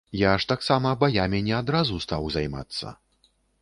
Я ж таксама баямі не адразу стаў займацца.